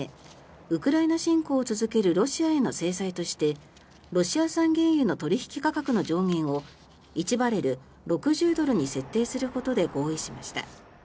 ウクライナ侵攻を続けるロシアへの制裁としてロシア産原油の取引価格の上限を１バレル＝６０ドルに設定することで合意しました。